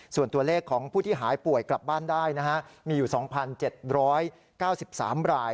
ส่วนตัวเลขของผู้ที่หายป่วยกลับบ้านได้นะฮะมีอยู่๒๗๙๓ราย